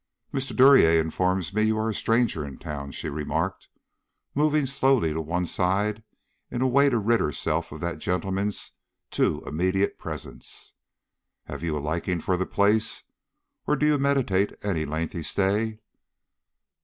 "Mr. Duryea informs me you are a stranger in the town," she remarked, moving slowly to one side in a way to rid herself of that gentleman's too immediate presence. "Have you a liking for the place, or do you meditate any lengthy stay?"